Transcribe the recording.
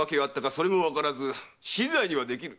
それもわからず死罪にはできぬ！